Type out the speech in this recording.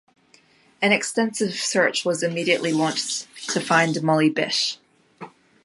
An extensive search was immediately launched to find Molly Bish.